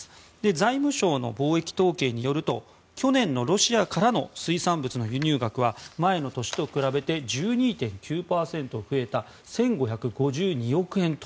財務省の貿易統計によると去年のロシアからの水産物の輸入額は前の年と比べて１２．９％増えた１５５２億円と。